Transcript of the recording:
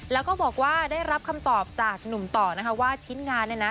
แล้วก็บอกว่าได้รับคำตอบจากหนุ่มต่อนะคะว่าชิ้นงานเนี่ยนะ